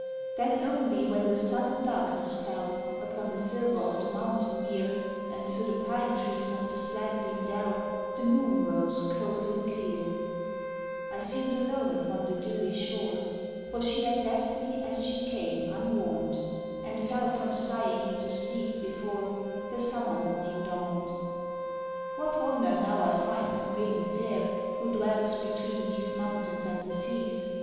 Then only when the sudden darkness fell Upon the silver of the mountain mere, And through the pine trees of the slanting dell, The moon rose cold and clear, I seemed alone upon the dewy shore, For she had left me as she came unwarned; And fell from sighing into sleep, before The summer morning dawned. What wonder now I find no maiden fair Who dwells between these mountains and the seas?